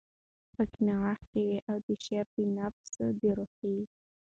پکښې نغښتی وی، او د شاعر د نفس د روحي